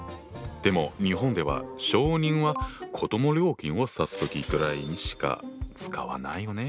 でも日本では小人は子ども料金を指す時ぐらいにしか使わないよね？